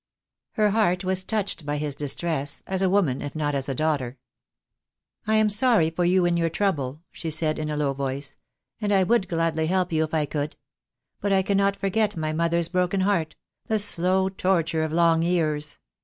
Her heart was touched by his distress, as a woman if not as a daughter. "I am sorry for you in your trouble," she said, in a low voice, "and I would gladly help you if I could. But I cannot forget my mother's broken heart — the slow tor ture of long years.